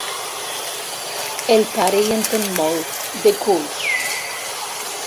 El pare hi entén molt, de culs!